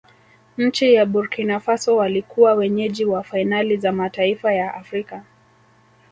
nchi ya burkina faso walikuwa wenyeji wa fainali za mataifa ya afrika